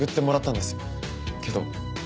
けど